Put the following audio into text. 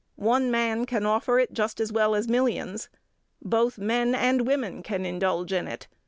One man can offer it just as well as millions. Both men and women can indulge in it.